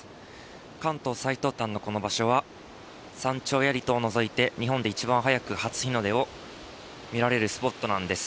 関東最東端のこの場所は山頂や離島を除いて日本で一番早く初日の出を見られるスポットなんです。